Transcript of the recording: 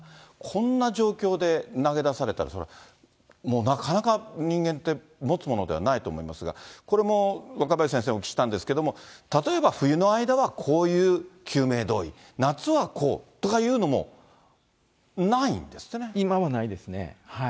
こんな状況で投げ出されたら、もうなかなか人間って、もつものではないと思いますが、これも若林先生にお聞きしたんですけれども、例えば冬の間はこういう救命胴衣、夏はこうとかいうのも、ないんで今はないですね。